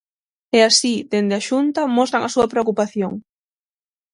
E así dende a Xunta mostran a súa preocupación.